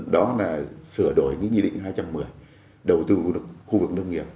đó là sửa đổi nghị định hai trăm một mươi đầu tư vào khu vực nông nghiệp